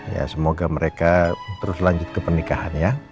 ya semoga mereka terus lanjut ke pernikahan ya